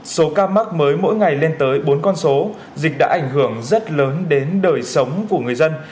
số ca mắc mới mỗi ngày lên tới bốn con số dịch đã ảnh hưởng rất lớn đến đời sống của người dân